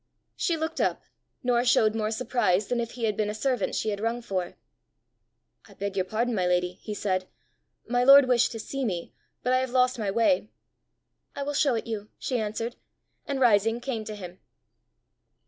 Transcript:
She looked up, nor showed more surprise than if he had been a servant she had rung for. "I beg your pardon, my lady," he said: "my lord wished to see me, but I have lost my way." "I will show it you," she answered, and rising came to him.